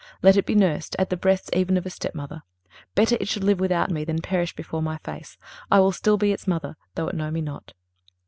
Let it be nursed at the breasts even of a step mother. Better it should live without me than perish before my face. I will still be its mother, though it know me not.